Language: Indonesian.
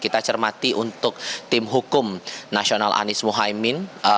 kita cermati untuk tim hukum nasional anies mohaimin